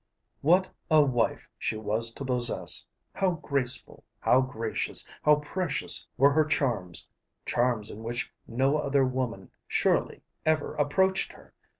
What a wife she was to possess! How graceful, how gracious, how precious were her charms, charms in which no other woman surely ever approached her!